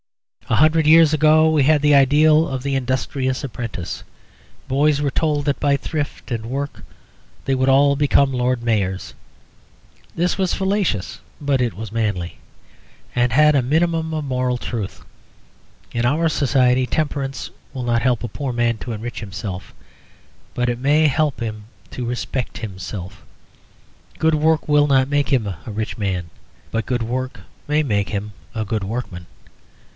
A hundred years ago we had the ideal of the Industrious Apprentice; boys were told that by thrift and work they would all become Lord Mayors. This was fallacious, but it was manly, and had a minimum of moral truth. In our society, temperance will not help a poor man to enrich himself, but it may help him to respect himself. Good work will not make him a rich man, but good work may make him a good workman.